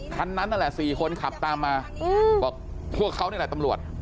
คันนั้นนั่นแหละ๔คนขับตามมาบอกพวกเขานี่แหละตำรวจ